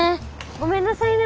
ごめんなさいね